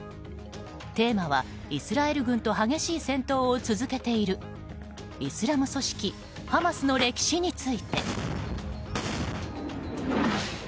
テーマは、イスラエル軍と激しい戦闘を続けているイスラム組織ハマスの歴史について。